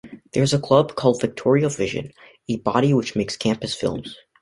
There is a club called "Victoria Vision" a body which makes campus films.